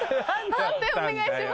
判定お願いします。